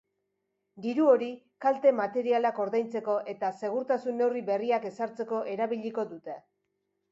Diru hori kalte-materialak ordaintzeko eta segurtasun neurri berriak ezartzeko erabiliko dute.